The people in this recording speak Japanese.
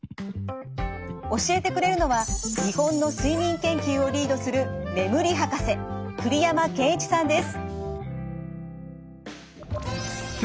教えてくれるのは日本の睡眠研究をリードする眠り博士栗山健一さんです。